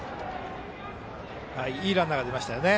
いいランナーが出ましたね。